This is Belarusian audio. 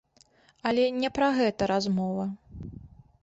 Але не пра гэта размова.